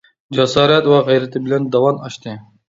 جاسارەت ۋە غەيرىتى بىلەن داۋان ئاشتى.